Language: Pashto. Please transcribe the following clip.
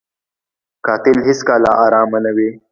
قاتل هېڅکله ارامه نه وي